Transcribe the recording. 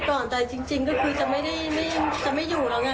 ก่อนด้านนี้เราก็คือเหมือนชาลาดใจนั่นแหละ